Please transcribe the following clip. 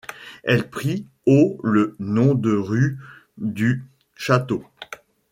Elle prit au le nom de rue du Château.